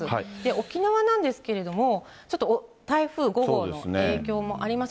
沖縄なんですけれども、ちょっと台風５号の影響もあります。